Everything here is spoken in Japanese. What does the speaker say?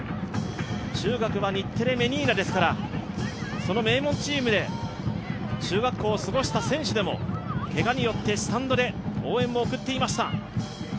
中学は日テレ・メニーナですから名門チームで中学校を過ごした選手でもけがによってスタンドで応援を送っていました。